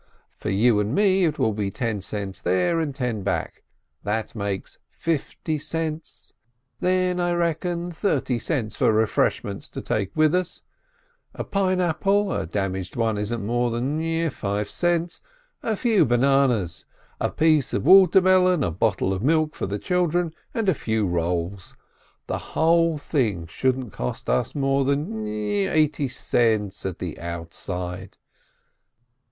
For you and me, it will be ten cents there and ten back — that makes fifty cents. Then I reckon thirty cents for refreshments to take with us: a pineapple (a damaged one isn't more than five cents), a few bananas, a piece of water melon, a bottle of milk for the children, and a few rolls — the whole thing shouldn't cost us more than eighty cents at the outside."